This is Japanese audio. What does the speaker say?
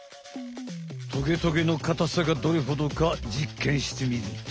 トゲトゲのかたさがどれほどかじっけんしてみると？